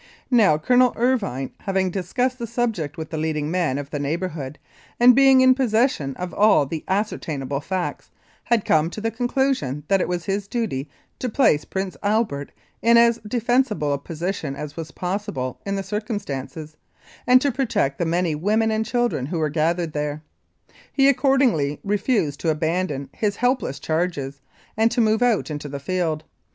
Now, Colonel Irvine, having discussed the subject with the leading men of the neighbourhood, and being in possession of all the ascertainable facts, had come to the conclusion that it was his duty to place Prince Albert in as defensible a position as was possible in the circum stances and to protect the many women and children who gathered there. He accordingly refused to abandon his helpless charges and to move out into the field.